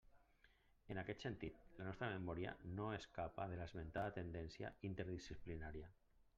En aquest sentit, la nostra memòria no escapa de l'esmentada tendència interdisciplinària.